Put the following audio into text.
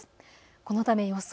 このため予想